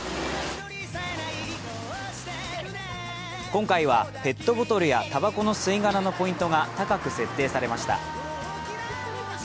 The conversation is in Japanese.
今回はペットボトルやたばこの吸い殻のポイントが高く設定されました。